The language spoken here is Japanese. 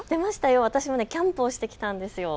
私もキャンプをしてきたんですよ。